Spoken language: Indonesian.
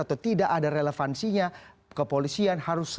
atau tidak ada relevansinya kepolisian